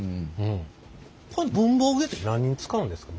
これ文房具用って何に使うんですか？